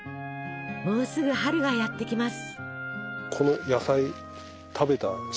もうすぐ春がやって来ます。